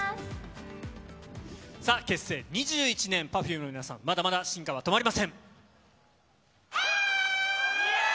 結成２１年、Ｐｅｒｆｕｍｅの皆さん、まだまだ進化は止まりません。